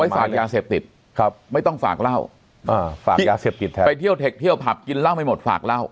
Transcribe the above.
ฝากยาเสพติดไม่ต้องฝากเหล้าฝากยาเสพติดแทนไปเที่ยวเทคเที่ยวผับกินเหล้าไม่หมดฝากเหล้า